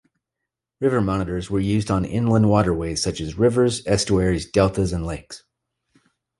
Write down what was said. River monitors were used on inland waterways such as rivers, estuaries, deltas and lakes.